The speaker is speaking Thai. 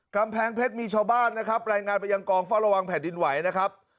กำแพงเพชรมีชาวบ้านนะครับรายงานไปยังกองเฝ้าระวังแผ่นดินไหวนะครับ